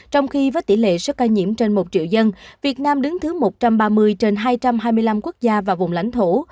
trong khi với tỷ lệ số ca nhiễm trên một triệu dân việt nam đứng thứ một trăm ba mươi trên hai trăm hai mươi năm quốc gia và vùng lãnh thổ